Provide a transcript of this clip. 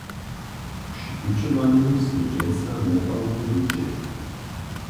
Při pućowanju smy dźensa nopawu widźeli.